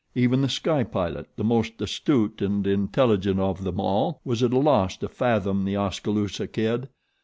Even The Sky Pilot, the most astute and intelligent of them all, was at a loss to fathom The Oskaloosa Kid.